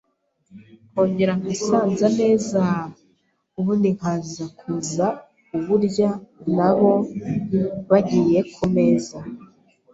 nkongera ngasanza nezaaa, ubundi Nkaza kuza kuwurya nabo bagiye ku meza.